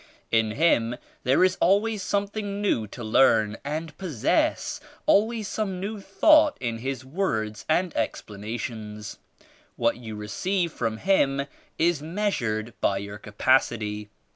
In him there is always something new to leam and possess; always some new thought in his words and explanations. What you receive from him is measured by your capacity.